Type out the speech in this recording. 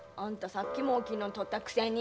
さっきも大きいのん取ったくせに。